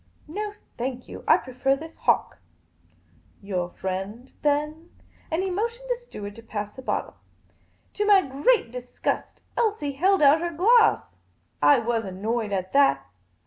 " No, thank you. I prefer this hock." Your friend, then ?" And he motioned the steward to pass the bottle. To my great disgust, Elsie held out her glass. I was annoyed at that.